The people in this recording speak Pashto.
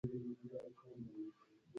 ایران کلتوري مرکزونه لري.